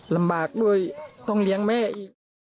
ลำบากด้วยต้องเลี้ยงแม่อีก